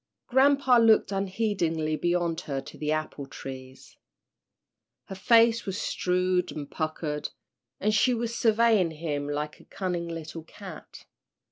Grampa looked unheedingly beyond her to the apple trees. Her face was shrewd and puckered, and she was surveying him like a cunning little cat.